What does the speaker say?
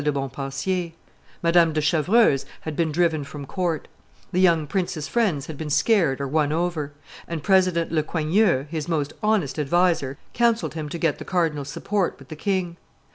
de Montpensier; Madame de Chevreuse had been driven from court; the young prince's friends had been scared or won over; and President le Coigneux, his most honest adviser, counselled him get the cardinal's support with the king.